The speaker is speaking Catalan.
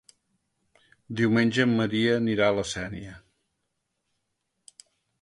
Diumenge en Maria anirà a la Sénia.